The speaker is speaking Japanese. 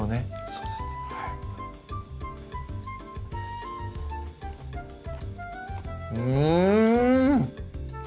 そうですねうん！